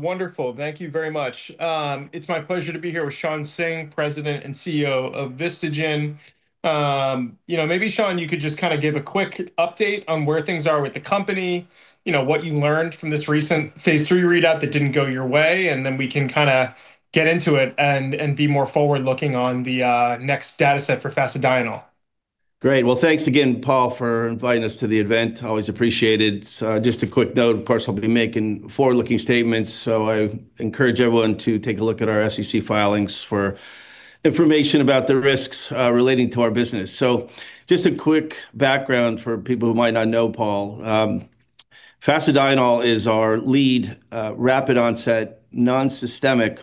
Wonderful. Thank you very much. It's my pleasure to be here with Shawn Singh, President and CEO of VistaGen. You know, maybe, Shawn, you could just kinda give a quick update on where things are with the company, you know, what you learned from this recent phase III readout that didn't go your way, and then we can kinda get into it and be more forward-looking on the next data set for fasedienol. Great. Well, thanks again, Paul, for inviting us to the event. Always appreciated. Just a quick note, of course, I'll be making forward-looking statements, so I encourage everyone to take a look at our SEC filings for information about the risks relating to our business. Just a quick background for people who might not know Paul. Fasedienol is our lead rapid onset, non-systemic,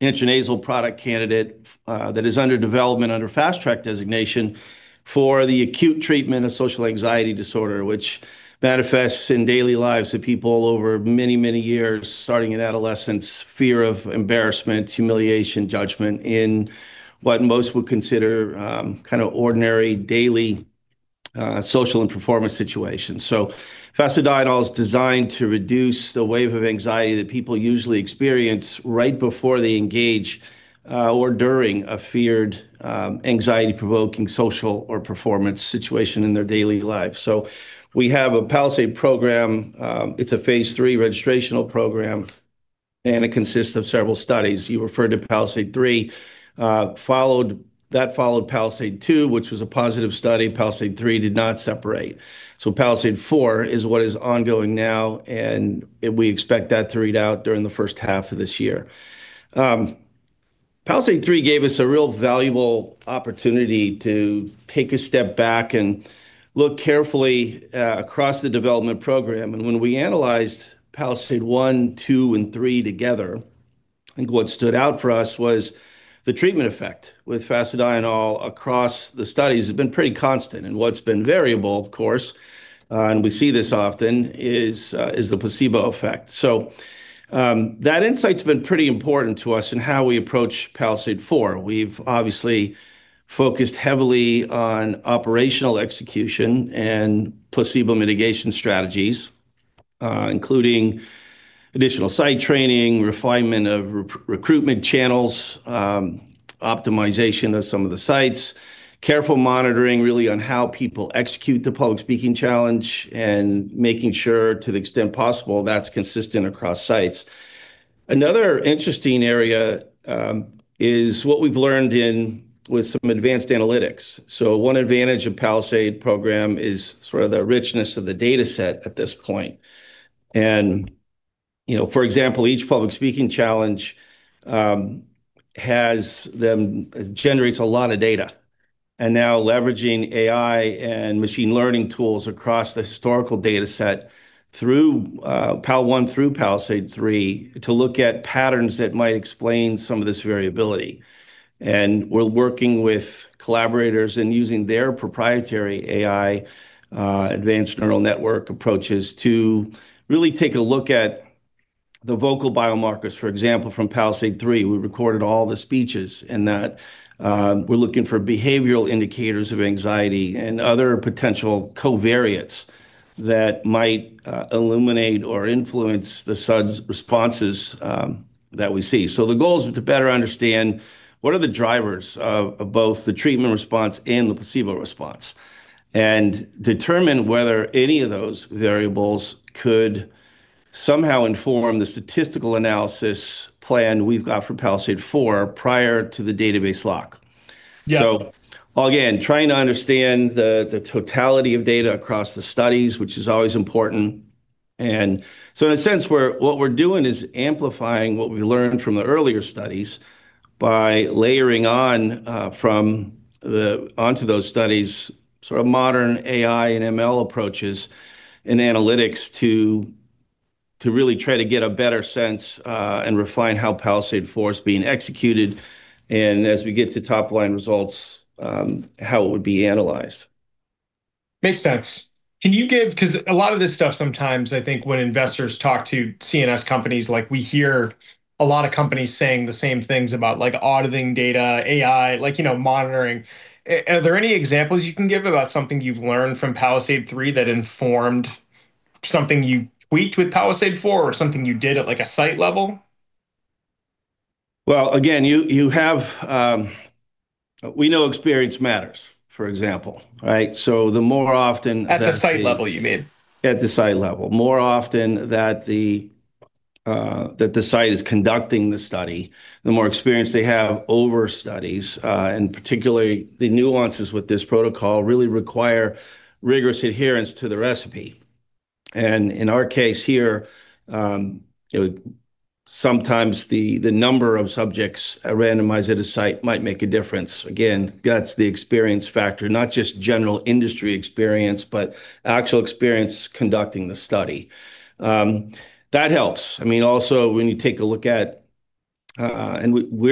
intranasal product candidate that is under development under Fast Track designation for the acute treatment of social anxiety disorder, which manifests in daily lives of people over many, many years, starting in adolescence, fear of embarrassment, humiliation, judgment in what most would consider kinda ordinary daily social and performance situations. Fasedienol is designed to reduce the wave of anxiety that people usually experience right before they engage, or during a feared, anxiety-provoking social or performance situation in their daily life. We have a PALISADE program, it's a phase III registrational program, and it consists of several studies. You referred to PALISADE-3. That followed PALISADE-2, which was a positive study. PALISADE-3 did not separate. PALISADE-4 is what is ongoing now, and we expect that to read out during the first half of this year. PALISADE-3 gave us a real valuable opportunity to take a step back and look carefully across the development program. When we analyzed PALISADE-1, 2, and 3 together, I think what stood out for us was the treatment effect with fasedienol across the studies. It's been pretty constant, and what's been variable, of course, and we see this often, is the placebo effect. That insight's been pretty important to us in how we approach PALISADE-4. We've obviously focused heavily on operational execution and placebo mitigation strategies, including additional site training, refinement of recruitment channels, optimization of some of the sites, careful monitoring, really, on how people execute the Public Speaking Challenge, and making sure, to the extent possible, that's consistent across sites. Another interesting area is what we've learned with some advanced analytics. One advantage of PALISADE program is sort of the richness of the dataset at this point. You know, for example, each Public Speaking Challenge generates a lot of data. Now leveraging AI and machine learning tools across the historical dataset through PALISADE-1 through PALISADE-3 to look at patterns that might explain some of this variability. We're working with collaborators and using their proprietary AI advanced neural network approaches to really take a look at the vocal biomarkers. For example, from PALISADE-3, we recorded all the speeches in that, we're looking for behavioral indicators of anxiety and other potential covariates that might illuminate or influence the SUDS responses that we see. The goal is to better understand what are the drivers of both the treatment response and the placebo response, and determine whether any of those variables could somehow inform the statistical analysis plan we've got for PALISADE-4 prior to the database lock. Yeah. Again, trying to understand the totality of data across the studies, which is always important. In a sense, what we're doing is amplifying what we learned from the earlier studies by layering onto those studies sort of modern AI and ML approaches and analytics to really try to get a better sense, and refine how PALISADE-4 is being executed, and as we get to top-line results, how it would be analyzed. Makes sense. Can you give 'cause a lot of this stuff sometimes I think when investors talk to CNS companies, like we hear a lot of companies saying the same things about like auditing data, AI, like, you know, monitoring. Are there any examples you can give about something you've learned from PALISADE-3 that informed something you tweaked with PALISADE-4 or something you did at like a site level? Well, again, we know experience matters, for example, right? The more often that the At the site level, you mean. At the site level. The more often that the site is conducting the study, the more experience they have with studies, and particularly the nuances with this protocol really require rigorous adherence to the recipe. In our case here, you know, sometimes the number of subjects randomized at a site might make a difference. Again, that's the experience factor. Not just general industry experience, but actual experience conducting the study. That helps. I mean, also, we're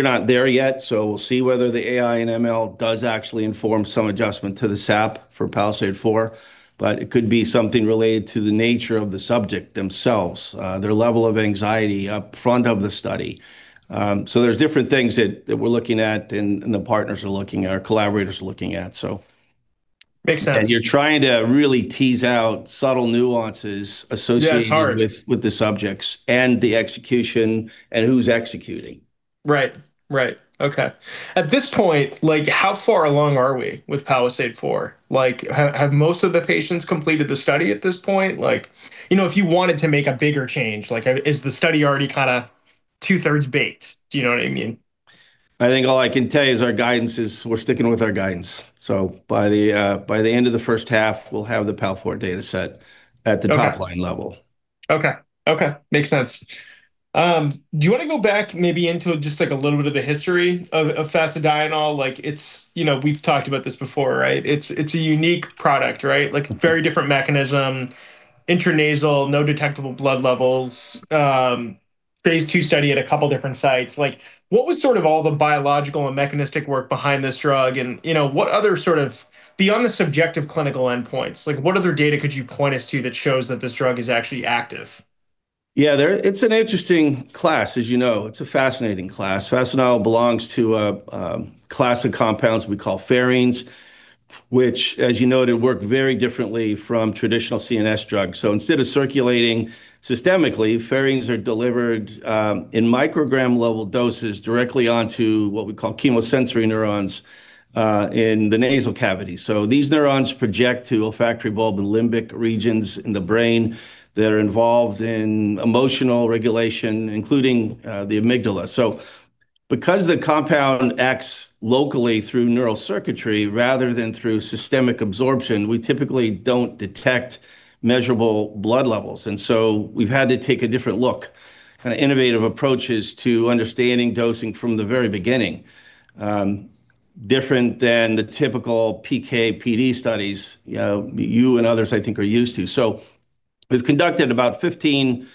not there yet, so we'll see whether the AI and ML does actually inform some adjustment to the SAP for PALISADE-4, but it could be something related to the nature of the subject themselves, their level of anxiety up front of the study. There's different things that we're looking at and the partners are looking at, our collaborators are looking at. Makes sense. You're trying to really tease out subtle nuances associated- Yeah, it's hard. with the subjects, and the execution, and who's executing. Right. Right, okay. At this point, like, how far along are we with PALISADE-4? Like, have most of the patients completed the study at this point? Like, you know, if you wanted to make a bigger change, like, is the study already kinda two-thirds baked? Do you know what I mean? I think all I can tell you is our guidance is we're sticking with our guidance. By the end of the first half, we'll have the PAL-4 data set at the- Okay top line level. Okay. Okay, makes sense. Do you wanna go back maybe into just, like, a little bit of the history of fasedienol? Like, you know, we've talked about this before, right? It's a unique product, right? Mm-hmm very different mechanism, intranasal, no detectable blood levels, phase II study at a couple different sites. Like, what was sort of all the biological and mechanistic work behind this drug, and, you know, what other sort of beyond the subjective clinical endpoints, like, what other data could you point us to that shows that this drug is actually active? Yeah, It's an interesting class, as you know. It's a fascinating class. Fasedienol belongs to a class of compounds we call pherines, which as you know, they work very differently from traditional CNS drugs. Instead of circulating systemically, pherines are delivered in microgram level doses directly onto what we call chemosensory neurons in the nasal cavity. These neurons project to olfactory bulb and limbic regions in the brain that are involved in emotional regulation, including the amygdala. Because the compound acts locally through neural circuitry rather than through systemic absorption, we typically don't detect measurable blood levels, and so we've had to take a different look, kinda innovative approaches to understanding dosing from the very beginning, different than the typical PK/PD studies, you know, you and others, I think, are used to. We've conducted about 15.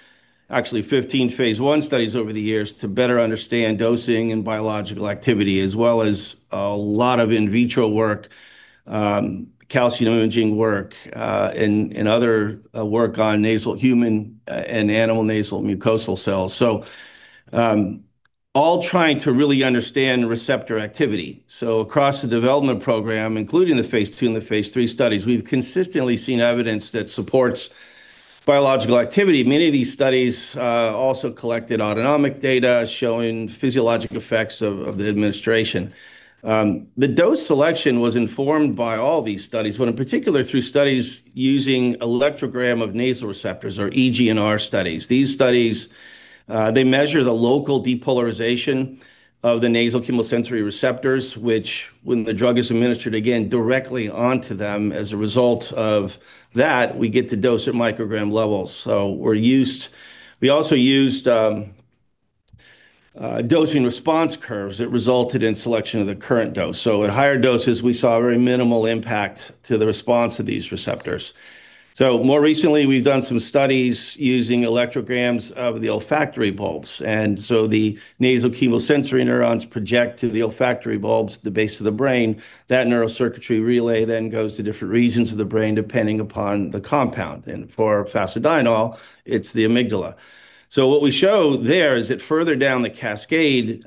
Actually 15 phase I studies over the years to better understand dosing and biological activity, as well as a lot of in vitro work, calcium imaging work, and other work on nasal human and animal nasal mucosal cells. All trying to really understand receptor activity. Across the development program, including the phase two and the phase III studies, we've consistently seen evidence that supports biological activity. Many of these studies also collected autonomic data, showing physiologic effects of the administration. The dose selection was informed by all these studies, but in particular through studies using electrogram of nasal receptors or EGNR studies. These studies they measure the local depolarization of the nasal chemosensory receptors, which when the drug is administered again directly onto them, as a result of that, we get to dose at microgram levels. We also used dosing response curves that resulted in selection of the current dose. At higher doses, we saw very minimal impact to the response of these receptors. More recently, we've done some studies using electrograms of the olfactory bulbs. The nasal chemosensory neurons project to the olfactory bulbs at the base of the brain. That neural circuitry relay then goes to different regions of the brain, depending upon the compound. For fasedienol, it's the amygdala. What we show there is that further down the cascade,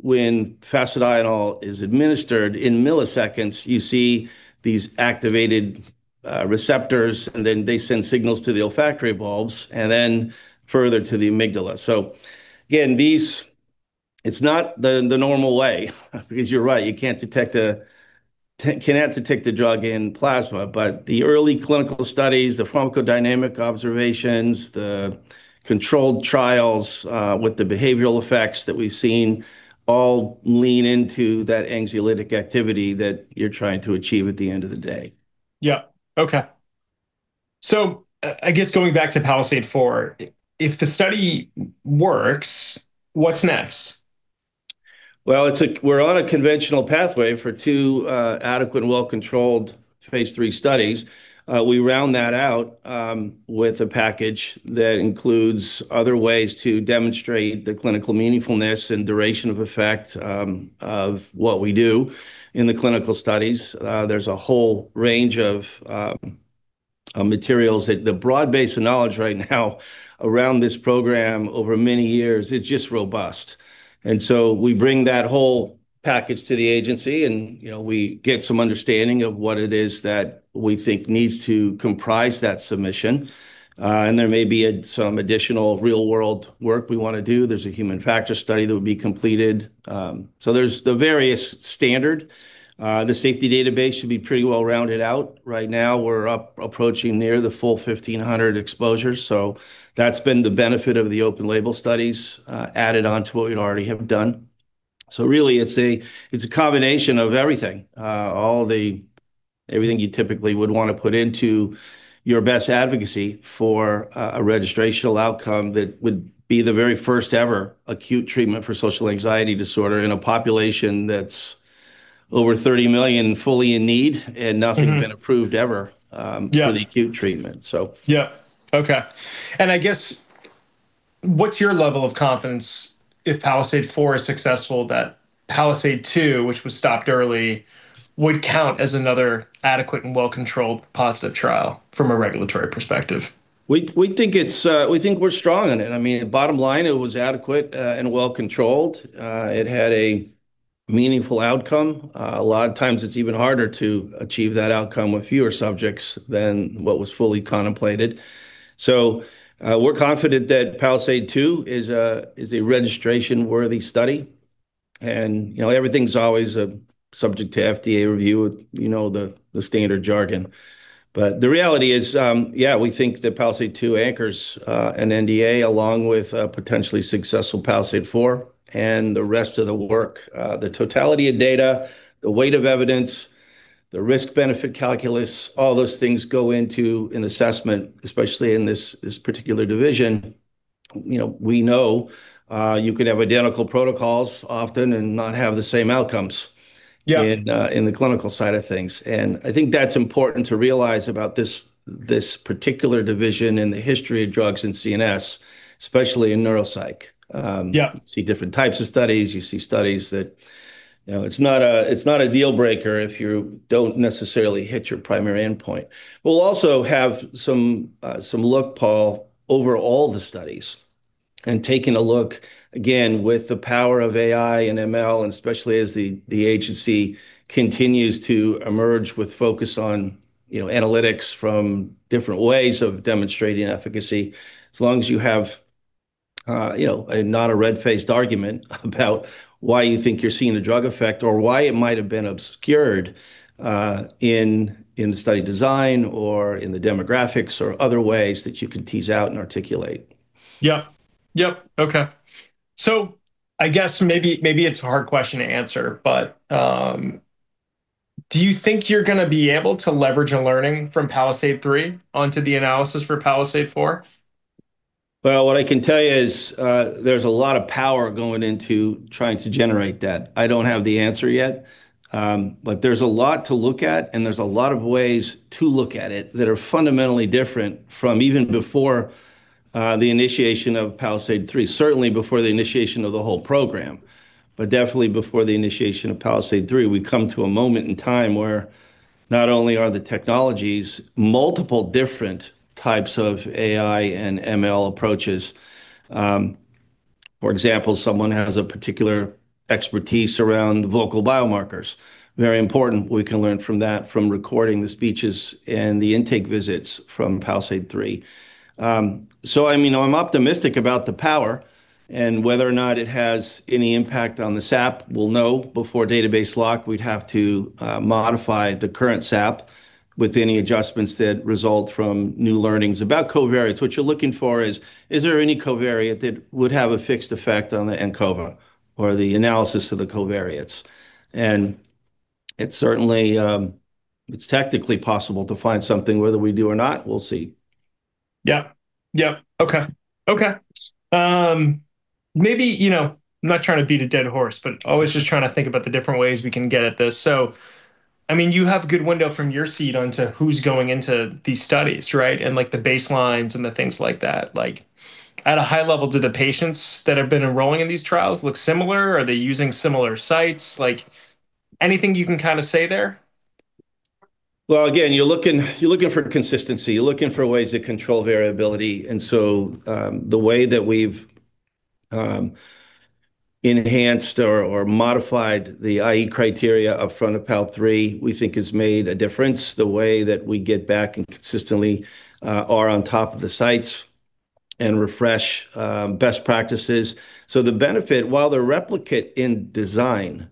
when fasedienol is administered, in milliseconds you see these activated receptors, and then they send signals to the olfactory bulbs, and then further to the amygdala. Again, it's not the normal way because you're right, you cannot detect the drug in plasma. The early clinical studies, the pharmacodynamic observations, the controlled trials, with the behavioral effects that we've seen all lean into that anxiolytic activity that you're trying to achieve at the end of the day. Yeah. Okay. I guess going back to PALISADE-4, if the study works, what's next? Well, we're on a conventional pathway for two adequate and well-controlled phase III studies. We round that out with a package that includes other ways to demonstrate the clinical meaningfulness and duration of effect of what we do in the clinical studies. There's a whole range of materials that the broad base of knowledge right now around this program over many years, it's just robust. We bring that whole package to the agency and, you know, we get some understanding of what it is that we think needs to comprise that submission. There may be some additional real world work we wanna do. There's a human factor study that would be completed. There's the various standard. The safety database should be pretty well rounded out. Right now we're up approaching near the full 1,500 exposures, so that's been the benefit of the open label studies added onto what we already have done. Really, it's a combination of everything. Everything you typically would wanna put into your best advocacy for a registrational outcome that would be the very first ever acute treatment for social anxiety disorder in a population that's over 30 million fully in need, and nothing. Mm-hmm has been approved ever. Yeah for the acute treatment. Yeah. Okay. I guess what's your level of confidence if PALISADE-4 is successful that PALISADE-2, which was stopped early, would count as another adequate and well-controlled positive trial from a regulatory perspective? We think we're strong in it. I mean, bottom line, it was adequate and well controlled. It had a meaningful outcome. A lot of times it's even harder to achieve that outcome with fewer subjects than what was fully contemplated. We're confident that PALISADE-2 is a registration worthy study, and, you know, everything's always subject to FDA review. You know, the standard jargon. The reality is, yeah, we think that PALISADE-2 anchors an NDA along with a potentially successful PALISADE-4 and the rest of the work. The totality of data, the weight of evidence, the risk-benefit calculus, all those things go into an assessment, especially in this particular division. You know, we know you could have identical protocols often and not have the same outcomes. Yeah in the clinical side of things. I think that's important to realize about this particular division in the history of drugs in CNS, especially in neuropsych. Yeah You see different types of studies. You see studies that. You know, it's not a deal breaker if you don't necessarily hit your primary endpoint. We'll also have some look, Paul, over all the studies. Taking a look again with the power of AI and ML, and especially as the agency continues to emerge with focus on, you know, analytics from different ways of demonstrating efficacy. As long as you have, you know, not a red-faced argument about why you think you're seeing the drug effect or why it might have been obscured in the study design or in the demographics or other ways that you can tease out and articulate. Yep. Yep. Okay. I guess maybe it's a hard question to answer, but, do you think you're gonna be able to leverage a learning from PALISADE-3 onto the analysis for PALISADE-4? Well, what I can tell you is, there's a lot of power going into trying to generate that. I don't have the answer yet, but there's a lot to look at, and there's a lot of ways to look at it that are fundamentally different from even before the initiation of PALISADE-3, certainly before the initiation of the whole program. Definitely before the initiation of PALISADE-3, we come to a moment in time where not only are the technologies multiple different types of AI and ML approaches. For example, someone has a particular expertise around vocal biomarkers. Very important. We can learn from that from recording the speeches and the intake visits from PALISADE-3. I mean, I'm optimistic about the power and whether or not it has any impact on the SAP. We'll know before database lock. We'd have to modify the current SAP with any adjustments that result from new learnings about covariates. What you're looking for is there any covariate that would have a fixed effect on the ANCOVA or the analysis of the covariates? It's certainly technically possible to find something. Whether we do or not, we'll see. Yeah. Okay. Maybe, you know, I'm not trying to beat a dead horse, but always just trying to think about the different ways we can get at this. I mean, you have a good window from your seat onto who's going into these studies, right? Like, the baselines and the things like that. Like, at a high level, do the patients that have been enrolling in these trials look similar? Are they using similar sites? Like, anything you can kind of say there? Well, again, you're looking for consistency. You're looking for ways to control variability. The way that we've enhanced or modified the I/E criteria up front of PALISADE-3, we think has made a difference the way that we get back and consistently are on top of the sites and refresh best practices. The benefit, while they're replicate in design,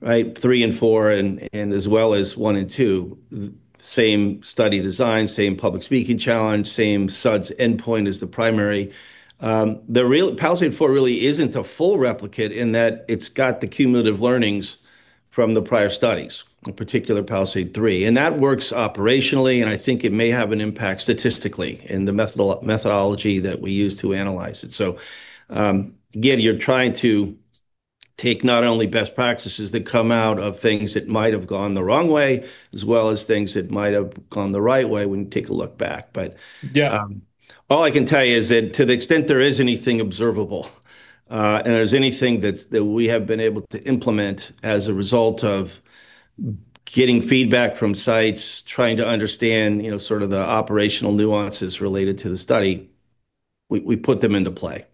right? Three and four and as well as one and two, same study design, same Public Speaking Challenge, same SUDS endpoint is the primary. PALISADE-4 really isn't a full replicate in that it's got the cumulative learnings from the prior studies, in particular PALISADE-3, and that works operationally, and I think it may have an impact statistically in the methodology that we use to analyze it. Again, you're trying to take not only best practices that come out of things that might have gone the wrong way, as well as things that might have gone the right way when you take a look back. Yeah All I can tell you is that to the extent there is anything observable, and there's anything that we have been able to implement as a result of getting feedback from sites, trying to understand, you know, sort of the operational nuances related to the study, we put them into play.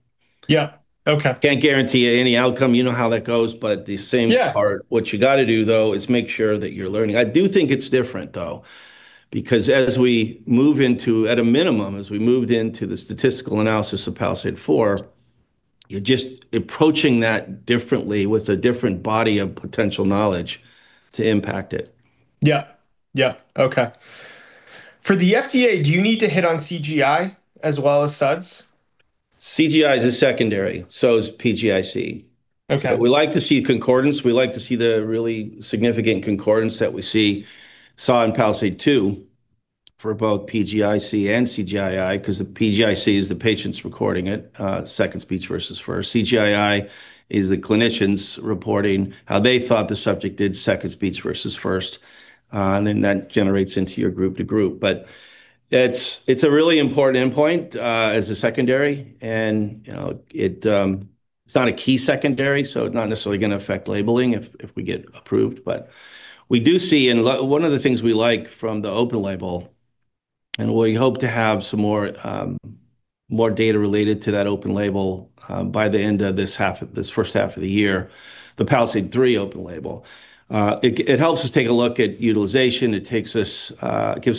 Yeah. Okay. Can't guarantee any outcome. You know how that goes. The same part. Yeah what you gotta do though is make sure that you're learning. I do think it's different though, because at a minimum, as we moved into the statistical analysis of PALISADE-4, you're just approaching that differently with a different body of potential knowledge to impact it. Yeah. Okay. For the FDA, do you need to hit on CGI as well as SUDS? CGI is a secondary, so is PGIC. Okay. We like to see concordance. We like to see the really significant concordance that we saw in PALISADE-2 for both PGIC and CGI-I, 'cause the PGIC is the patients recording it, second speech versus first. CGI-I is the clinicians reporting how they thought the subject did second speech versus first. Then that generates into your group to group. It's a really important endpoint as a secondary and, you know, it's not a key secondary, so it's not necessarily gonna affect labeling if we get approved. We do see one of the things we like from the open label, and we hope to have some more more data related to that open label by the end of this half, this first half of the year, the PALISADE-3 open label. It helps us take a look at utilization. It gives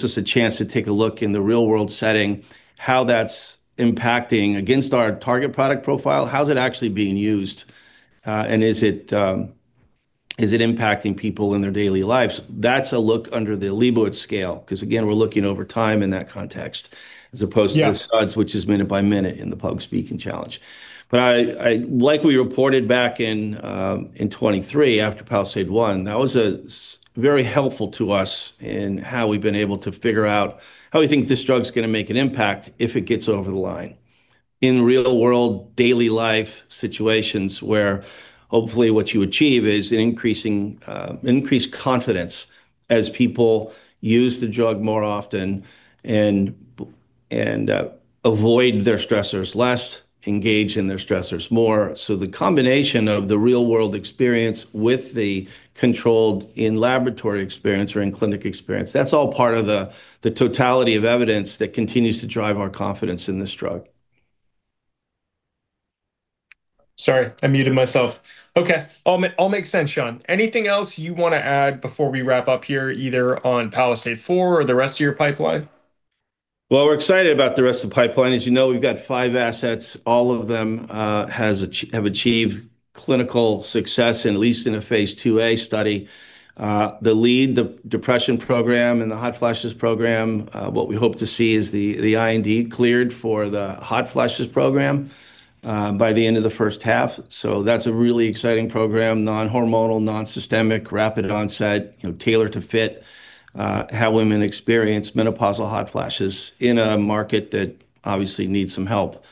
us a chance to take a look in the real-world setting, how that's impacting against our target product profile. How is it actually being used, and is it impacting people in their daily lives? That's a look under the Liebowitz scale, 'cause again, we're looking over time in that context, as opposed Yeah To the studs, which is minute by minute in the Public Speaking Challenge. Like we reported back in 2023 after PALISADE-1, that was very helpful to us in how we've been able to figure out how we think this drug's gonna make an impact if it gets over the line. In real-world, daily-life situations where hopefully what you achieve is increased confidence as people use the drug more often and avoid their stressors less, engage in their stressors more. The combination of the real-world experience with the controlled in-laboratory experience or in-clinic experience, that's all part of the totality of evidence that continues to drive our confidence in this drug. Sorry, I muted myself. Okay. All make sense, Shawn. Anything else you wanna add before we wrap up here, either on PALISADE-4 or the rest of your pipeline? We're excited about the rest of the pipeline. As you know, we've got five assets. All of them have achieved clinical success, in at least in a Phase II-A study. The lead, the depression program and the hot flashes program, what we hope to see is the IND cleared for the hot flashes program, by the end of the first half. That's a really exciting program, non-hormonal, non-systemic, rapid onset, you know, tailored to fit how women experience menopausal hot flashes in a market that obviously needs some help.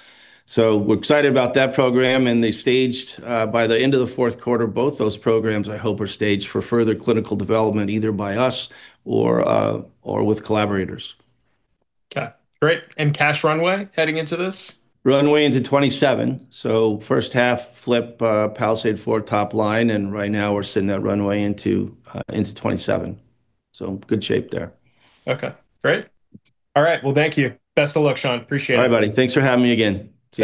We're excited about that program, and they're staged by the end of the fourth quarter, both those programs I hope are staged for further clinical development, either by us or with collaborators. Okay. Great. Cash runway heading into this? Runway into 2027. First half flip, PALISADE-4 top line, and right now we're sitting at runway into 2027. Good shape there. Okay. Great. All right. Well, thank you. Best of luck, Shawn. Appreciate it. All right, buddy. Thanks for having me again.